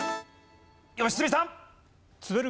良純さん。